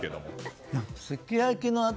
すき焼きのあと。